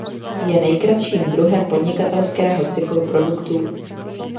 Je nejkratším druhem podnikatelského cyklu produktů.